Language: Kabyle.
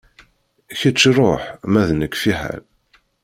Kečč ṛuḥ ma d nekk fiḥel.